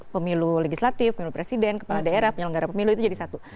pemilu legislatif pemilu presiden kepala daerah penyelenggara pemilu itu jadi satu